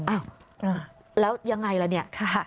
อ้าวแล้วยังไงล่ะเนี่ย